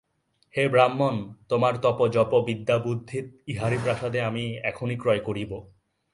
হে ব্রাহ্মণ, তোমার তপ, জপ, বিদ্যাবুদ্ধি-ইঁহারই প্রসাদে আমি এখনই ক্রয় করিব।